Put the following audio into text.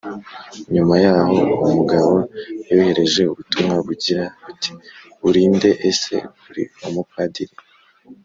Nyuma yaho uwo mugabo yohereje ubutumwa bugira buti uri nde Ese uri umupadiri